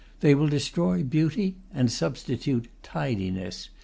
They will destroy beauty and substitute tidiness.